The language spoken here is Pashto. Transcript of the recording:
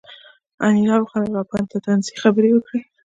انیلا وخندل او په طنز یې خبرې وکړې